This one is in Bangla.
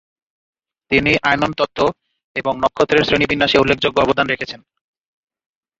তিনি আয়নন তত্ত্ব এবং নক্ষত্রের শ্রেণিবিন্যাসে উল্লেখযোগ্য অবদান রেখেছেন।